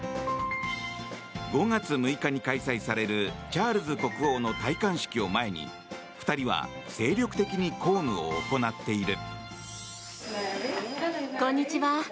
５月６日に開催されるチャールズ国王の戴冠式を前に２人は精力的に公務を行っている。